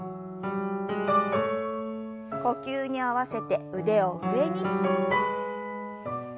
呼吸に合わせて腕を上に。